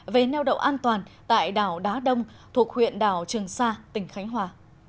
về neo đậu an toàn tại đảo đá đông thuộc huyện đảo trường sa tỉnh khánh hòa